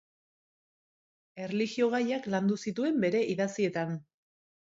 Erlijio-gaiak landu zituen bere idatzietan.